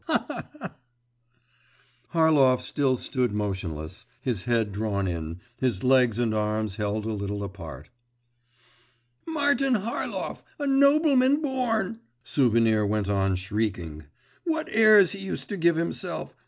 Ha, ha, ha!' Harlov still stood motionless, his head drawn in, his legs and arms held a little apart. 'Martin Harlov, a nobleman born!' Souvenir went on shrieking. 'What airs he used to give himself.